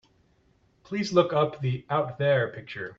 Please look up the Out There picture.